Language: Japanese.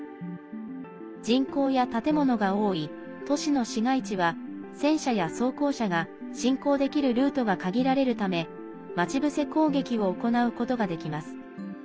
人口や建物が多い都市の市街地は戦車や装甲車が進行できるルートが限られるため待ち伏せ攻撃を行うことができます。